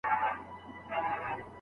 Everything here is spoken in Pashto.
بېځايه ودونه هيڅکله ښې پايلي نلري.